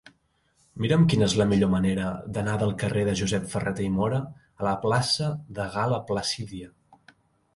Mira'm quina és la millor manera d'anar del carrer de Josep Ferrater i Móra a la plaça de Gal·la Placídia.